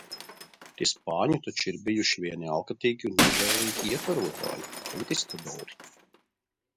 Tie spāņi taču ir bijuši vieni alkatīgi un nežēlīgi iekarotāji- konkistadori.